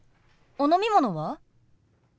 お飲み物は？